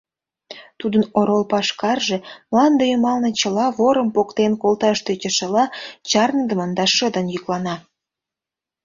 Тудын орол пашкарже, мланде ӱмбалне чыла ворым поктен колташ тӧчышыла, чарныдымын да шыдын йӱклана.